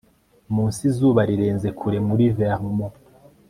Munsi izuba rirenze kure muri Vermont